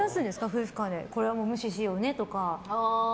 夫婦間でこれは無視しようねとか。